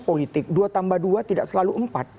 politik dua tambah dua tidak selalu empat